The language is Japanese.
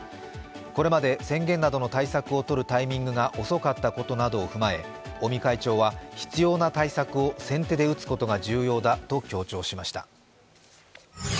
これまで宣言などの対策を取るタイミングが遅かったことなどを踏まえ尾身会長は必要な対策を先手で打つことが重要だと強調しました。